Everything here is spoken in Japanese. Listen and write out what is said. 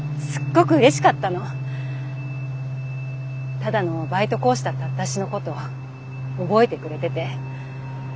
ただのバイト講師だった私のことを覚えてくれてて。